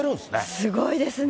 すごいですね。